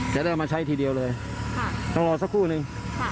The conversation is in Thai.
จะได้เอามาใช้ทีเดียวเลยต้องรอสักครู่นึง